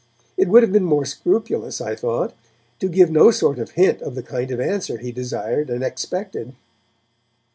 It would have been more scrupulous, I thought, to give no sort of hint of the kind of answer he desired and expected.